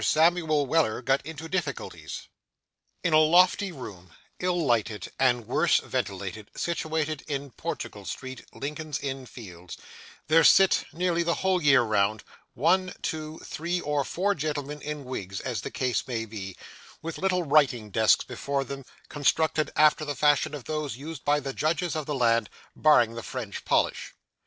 SAMUEL WELLER GOT INTO DIFFICULTIES In a lofty room, ill lighted and worse ventilated, situated in Portugal Street, Lincoln's Inn Fields, there sit nearly the whole year round, one, two, three, or four gentlemen in wigs, as the case may be, with little writing desks before them, constructed after the fashion of those used by the judges of the land, barring the French polish.